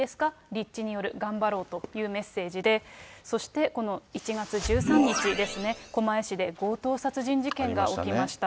立地による、頑張ろうというメッセージで、そしてこの１月１３日ですね、狛江市で強盗殺人事件が起きました。